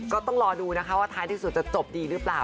ก็ต้องรอดูนะคะว่าท้ายที่สุดจะจบดีหรือเปล่า